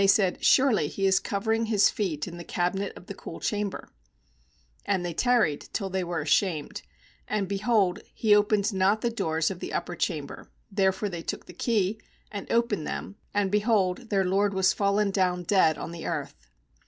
14 said: 'Surely he is covering his feet in the cabinet of the cool chamber/ 2bAnd they tarried till they were ashamed; and, behold, he opened not the doors of the upper chamber; there fore they took the key, and opened them; and, behold, their lord was fallen down dead on the earth.